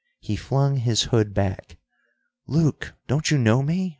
He flung his hood back. "Luke, don't you know me?"